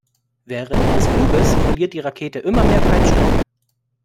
Während ihres Fluges verliert die Rakete immer mehr Treibstoff.